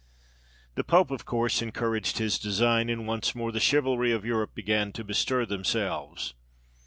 The pope, of course, encouraged his design, and once more the chivalry of Europe began to bestir themselves.